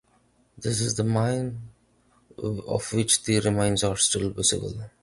This is the mine of which the remains are still visible.